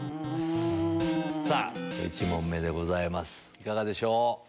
さぁ１問目でございますいかがでしょう？